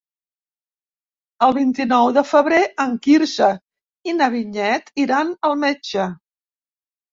El vint-i-nou de febrer en Quirze i na Vinyet iran al metge.